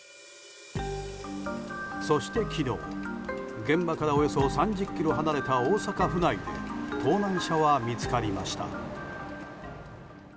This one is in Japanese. そして、昨日現場からおよそ３０ｋｍ離れた大阪府内で盗難車は見つかりました。